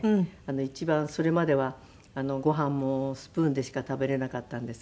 一番それまではご飯もスプーンでしか食べれなかったんですけど。